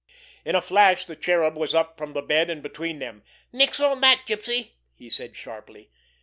In a flash the Cherub was up from the bed, and between them. "Nix on dat, Gypsy!" he said sharply.